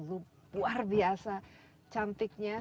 luar biasa cantiknya